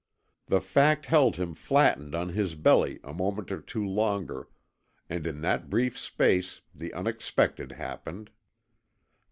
The fact held him flattened on his belly a moment or two longer, and in that brief space the unexpected happened.